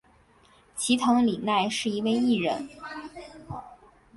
齐藤里奈是一位艺人。